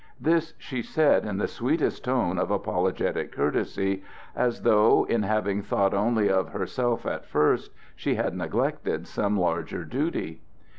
This she said in the sweetest tone of apologetic courtesy, as though in having thought only of herself at first she had neglected some larger duty.